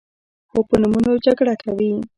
خو په نومونو جګړه کوي.